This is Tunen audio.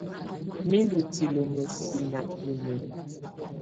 Mɛ̀ ndɔ̀ tilǝ muɛsɛ nà tunǝn.